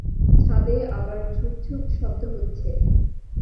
ছাদে আবার ঝুপঝুপ শব্দ হচ্ছে।